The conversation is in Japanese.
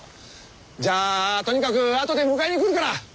じゃあとにかくあとで迎えに来るから。